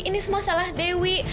ini semua salah dewi